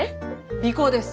尾行です。